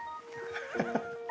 ハッハハ。